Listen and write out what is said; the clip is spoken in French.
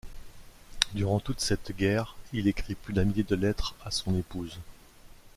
Durant toute cette guerre, il écrit plus d'un millier de lettres à son épouse.